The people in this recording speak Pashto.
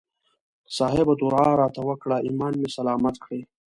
صاحبه دعا راته وکړه ایمان مې سلامت کړي.